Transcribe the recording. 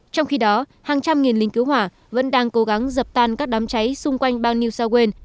trong khi đó hàng trăm nghìn lính cứu hỏa vẫn đang cố gắng dập tan các đám cháy xung quanh bang new south wales